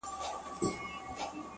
پوهه له تجربو رنګ اخلي